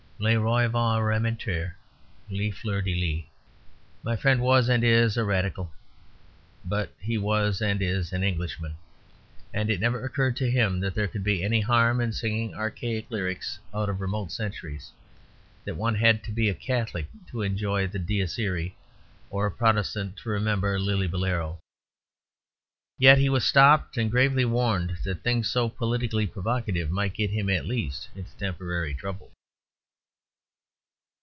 Le roi va remettre. Le fleur de lys. My friend was (and is) a Radical, but he was (and is) an Englishman, and it never occurred to him that there could be any harm in singing archaic lyrics out of remote centuries; that one had to be a Catholic to enjoy the "Dies Irae," or a Protestant to remember "Lillibullero." Yet he was stopped and gravely warned that things so politically provocative might get him at least into temporary trouble.